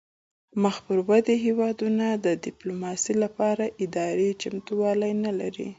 مخ پر ودې هیوادونه د ډیپلوماسي لپاره اداري چمتووالی نلري